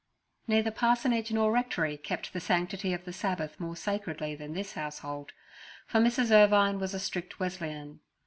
Neither parsonage nor rectory kept the sanctity of the Sabbath more sacredly than this household, for Mrs. Irvine was a strict Wesleyan.